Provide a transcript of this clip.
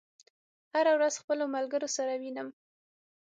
هره ورځ خپلو ملګرو سره وینم